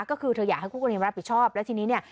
ก็คือเธออยากให้คู่กรณีมารับผิดชอบแล้วทีนี้เนี่ย